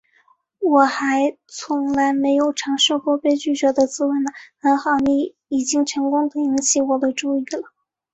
我还从来没有尝试过被拒绝的滋味呢，很好，你已经成功地引起我的注意了